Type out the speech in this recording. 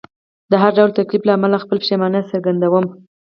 د هر ډول تکلیف له امله خپله پښیماني څرګندوم.